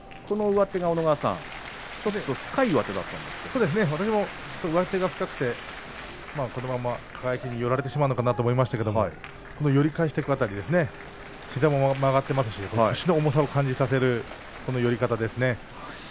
上手が深くてこのまま輝に寄られてしまうかなと思いましたが寄り返していく辺り膝も曲がっていますし腰の重さを感じさせる寄り方ですね。